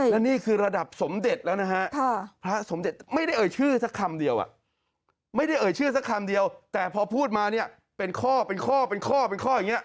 และนี่คือระดับสมเด็จแล้วนะฮะพระสมเด็จไม่ได้เอ่ยชื่อสักคำเดียวไม่ได้เอ่ยชื่อสักคำเดียวแต่พอพูดมาเนี่ยเป็นข้อเป็นข้อเป็นข้อเป็นข้ออย่างนี้